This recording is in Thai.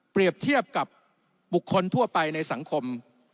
เทียบกับบุคคลทั่วไปในสังคม